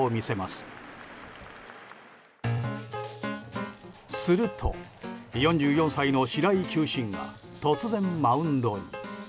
すると４４歳の白井球審が突然マウンドに。